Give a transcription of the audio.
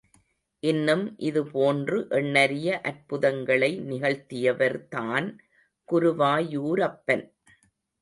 இன்னும் இதுபோன்று எண்ணரிய அற்புதங்களை நிகழ்த்தியவர் தான் குருவாயூரப்பன்.